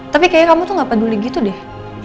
tapi kayaknya kamu tuh gak peduli gitu deh